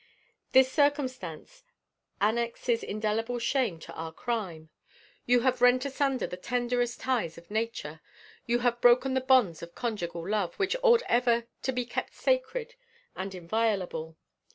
This circumstance annexes indelible shame to our crime. You have rent asunder the tenderest ties of nature. You have broken the bonds of conjugal love, which ought ever to be kept sacred and inviolate.